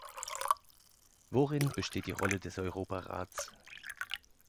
Worin besteht die Rolle des Europarats?